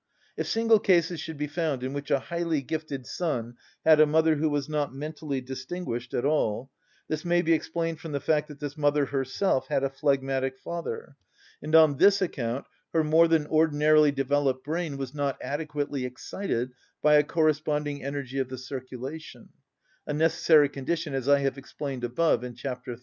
If single cases should be found in which a highly gifted son had a mother who was not mentally distinguished at all, this may be explained from the fact that this mother herself had a phlegmatic father, and on this account her more than ordinarily developed brain was not adequately excited by a corresponding energy of the circulation—a necessary condition, as I have explained above in chapter 31.